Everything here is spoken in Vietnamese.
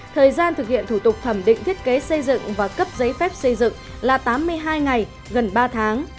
thời gian thực hiện thủ tục thẩm định thiết kế xây dựng và cấp giấy phép xây dựng là tám mươi hai ngày gần ba tháng